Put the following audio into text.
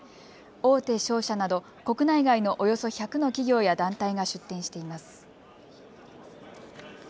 大手商社など国内外のおよそ１００の企業や団体が出展しています。